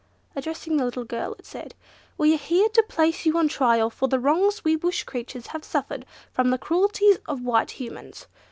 Addressing the little girl it said, "We are here to place you on trial for the wrongs we Bush creatures have suffered from the cruelties of White Humans.